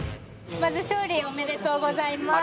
勝利おめでとうございます。